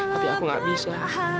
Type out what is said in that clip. tapi aku gak bisa